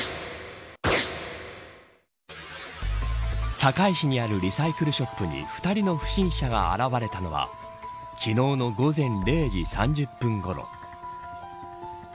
堺市にあるリサイクルショップに２人の不審者が現れたのは昨日の午前０時３０分ごろ。